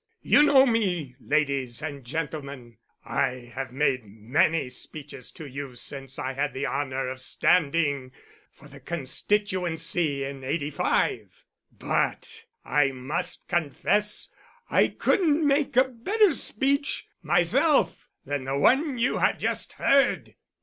You know me, ladies and gentlemen, I have made many speeches to you since I had the honour of standing for the constituency in '85, but I must confess I couldn't make a better speech myself than the one you have just heard."